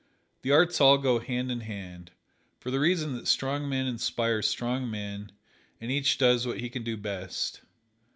The arts all go hand in hand, for the reason that strong men inspire strong men, and each does what he can do best.